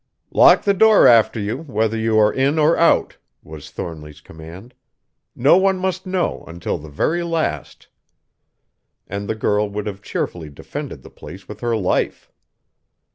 "Lock the door after you, whether you are in or out," was Thornly's command. "No one must know, until the very last!" And the girl would have cheerfully defended the place with her life.